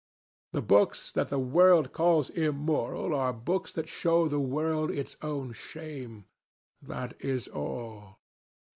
The books that the world calls immoral are books that show the world its own shame. That is all.